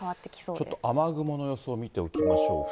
ちょっと雨雲の予想を見ておきましょうか。